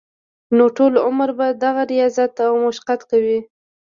نو ټول عمر به دغه رياضت او مشقت کوي -